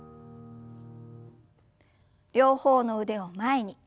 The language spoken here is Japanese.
両方の腕を前に。